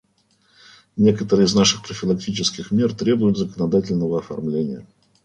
Некоторые из наших профилактических мер требуют законодательного оформления.